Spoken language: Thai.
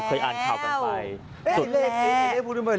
เราเคยอ่านข่าวกันไป